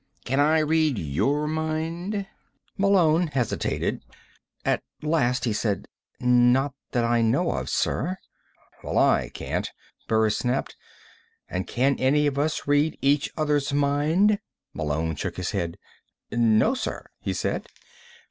"Can I read your mind?" Malone hesitated. At last he said: "Not that I know of, sir." "Well, I can't," Burris snapped. "And can any of us read each other's mind?" Malone shook his head. "No, sir," he said.